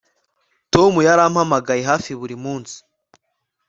Tom yarampamagaye hafi buri munsi